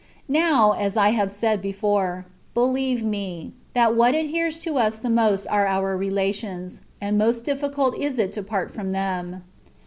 Now (as I have said before), believe me, that what adheres to us the most are our relations, and most difficult is it to part from them.